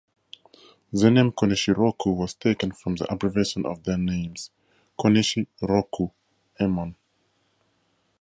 The name Konishiroku was taken from the abbreviation of their names, "Konishi Roku"emon.